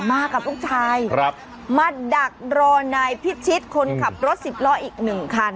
มากับลูกชายมาดักรอนายพิชิตคนขับรถสิบล้ออีกหนึ่งคัน